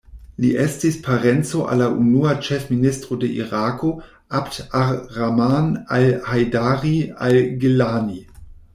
Li estis parenco al la unua ĉefministro de Irako, Abd ar-Rahman al-Hajdari al-Gillani.